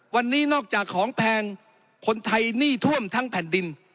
วันนี้นอกจากของแพงคนไทยหนี้ท่วมทั้งแผ่นดิน